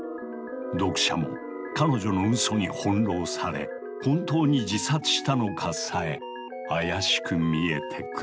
読者も彼女の嘘に翻弄され本当に自殺したのかさえ怪しく見えてくる。